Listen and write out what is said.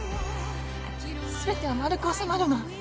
全ては丸く収まるの。